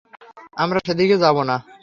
আমরা সেদিকে যাবনা।